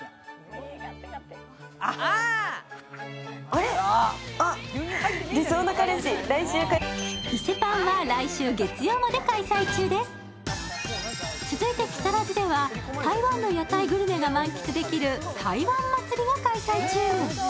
あれっ、あっ、「理想のカレシ」来週火曜続いて木更津では台湾の屋台グルメが満喫できる台湾祭が開催中。